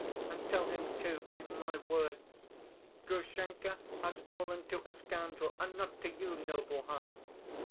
And tell him, too, in my words: 'Grushenka has fallen to a scoundrel, and not to you, noble heart.